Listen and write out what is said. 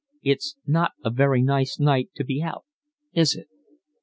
"It's not a very nice night to be out, is it?"